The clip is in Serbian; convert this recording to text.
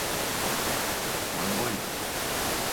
То је боље!